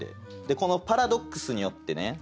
このパラドックスによってね